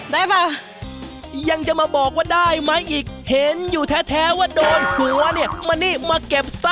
เปล่ายังจะมาบอกว่าได้ไหมอีกเห็นอยู่แท้ว่าโดนหัวเนี่ยมานี่มาเก็บซะ